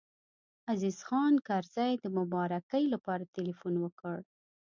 عزیز خان کرزی د مبارکۍ لپاره تیلفون وکړ.